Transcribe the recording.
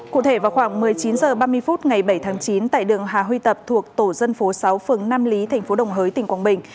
cụ thể vào khoảng một mươi chín h ba mươi phút ngày bảy tháng chín tại đường hà huy tập thuộc tổ dân phố sáu phường nam lý tp đồng hới tỉnh quảng bình